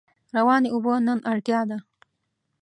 روانې اوبه نن اړتیا ده.